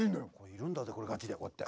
いるんだぜこれガチでこうやって。